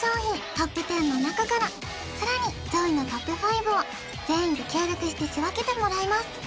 ＴＯＰ１０の中からさらに上位のＴＯＰ５を全員で協力して仕分けてもらいます